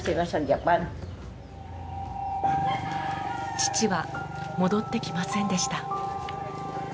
父は戻ってきませんでした。